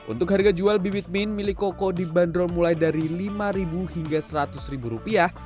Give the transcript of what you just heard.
untuk harga jual bibit min milik koko dibanderol mulai dari lima hingga seratus ribu rupiah